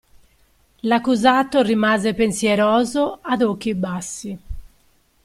L'accusato rimase pensieroso ad occhi bassi.